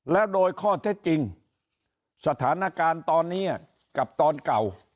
แล้วโดยข้อเท็จจริงสถานการณ์ตอนนี้กับตอนเก่า